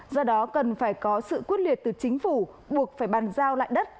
do đó cần phải có sự quyết liệt từ chính phủ buộc phải bàn giao lại đất